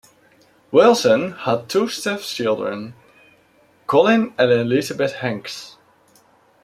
Wilson has two stepchildren, Colin and Elizabeth Hanks.